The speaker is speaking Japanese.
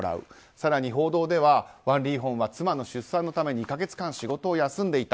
更に報道ではワン・リーホンは妻の出産のため２か月間仕事を休んでいた。